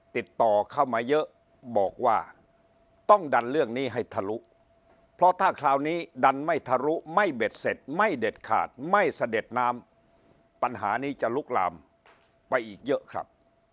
ติดต่อเข้ามาเยอะบอกว่าต้องดันเรื่องนี้ให้ทะลุเพราะถ้าคราวนี้ดันไม่ทะลุไม่เบ็ดเสร็จไม่เด็ดขาดไม่เสด็จน้ำปัญหานี้จะลุกลามไปอีกเยอะครับ